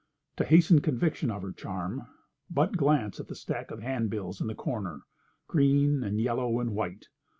To hasten conviction of her charm, but glance at the stacks of handbills in the corner, green, and yellow, and white.